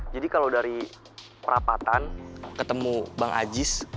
jadi kalo dari perapatan ketemu bang ajis